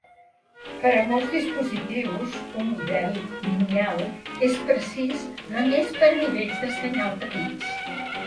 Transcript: Per a molts dispositius, un model lineal és precís només per a nivells de senyal petits.